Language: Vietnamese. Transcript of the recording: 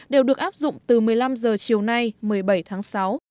đều được áp dụng từ một mươi năm h chiều nay một mươi bảy tháng sáu